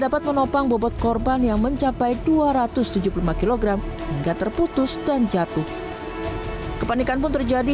dapat menopang bobot korban yang mencapai dua ratus tujuh puluh lima kg hingga terputus dan jatuh kepanikan pun terjadi